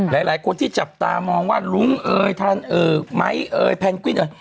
หลายคนที่จับตามองว่ารุงเอ่ยถันเอ๋อไหมเอ๋ยแพนกวิ่นเอ๋อ